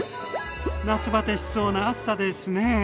夏バテしそうな暑さですね。